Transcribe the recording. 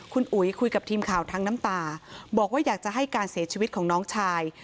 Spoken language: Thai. คุณอุ๋ยคุยกับทีมข่าวทั้งน้ำตาบอกว่าอยากจะให้การเสียชีวิตของน้องชาย